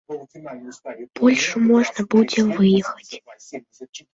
Польшчу можна будзе выехаць.